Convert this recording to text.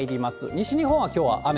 西日本はきょうは雨。